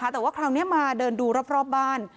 แต่ว่าคราวนี้มาเดินดูรอบบ้าน